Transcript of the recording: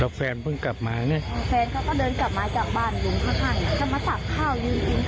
แล้วแฟนเพิ่งกลับมาเนี่ยแฟนเขาก็เดินกลับมาจากบ้านอยู่ข้าง